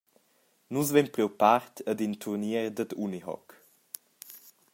Nus vein priu part ad in turnier dad unihoc.